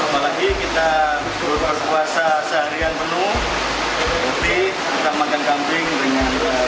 apalagi kita berpuasa seharian penuh jadi kita makan kambing dengan aneka aneka juga bisa menambah energi juga